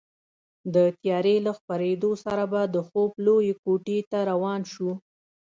د تیارې له خپرېدو سره به د خوب لویې کوټې ته روان شوو.